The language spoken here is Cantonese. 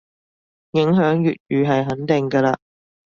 影響粵語係肯定嘅嘞